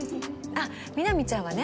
あっミナミちゃんはね